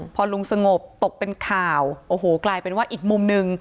พอลุงสงบตกเป็นข่าวโอ้โหกลายเป็นว่าอีกมุมหนึ่ง